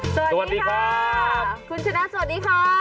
สวัสดีครับคุณชนะสวัสดีครับ